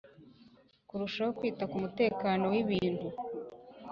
Kurushaho kwita ku mutekano w ibintu